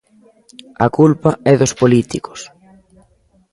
A culpa é dos políticos.